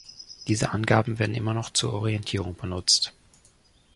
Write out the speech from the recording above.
Diese Angaben werden immer noch zur Orientierung benutzt.